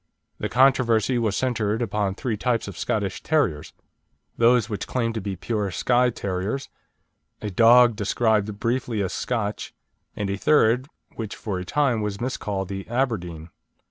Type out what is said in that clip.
The controversy was centred upon three types of Scottish terriers: those which claimed to be pure Skye Terriers, a dog described briefly as Scotch, and a third, which for a time was miscalled the Aberdeen.